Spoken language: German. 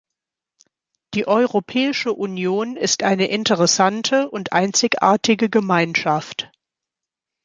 Die Europäische Union ist eine interessante und einzigartige Gemeinschaft.